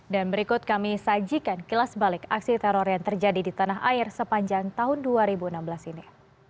dan berikut kami sajikan kilas balik aksi teror yang terjadi di tanah air sepanjang tahun dua ribu enam belas ini